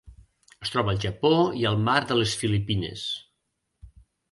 Es troba al Japó i al Mar de les Filipines.